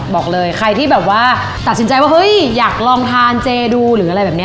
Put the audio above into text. บอกเลยใครที่แบบว่าตัดสินใจว่าเฮ้ยอยากลองทานเจดูหรืออะไรแบบนี้